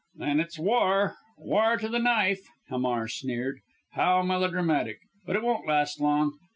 "Then it's war war to the knife!" Hamar sneered. "How melodramatic! But it won't last long.